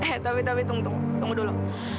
eh tapi tunggu dulu